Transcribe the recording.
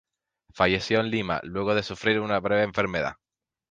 Falleció en Lima, luego de sufrir una breve enfermedad.